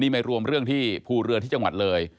ไม่รวมเรื่องที่ภูเรือที่จังหวัดเลย